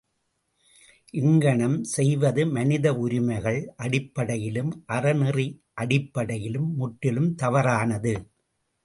இங்ஙனம் செய்வது மனித உரிமைகள் அடிப்படையிலும், அறநெறி அடிப்படையிலும் முற்றிலும் தவறானது.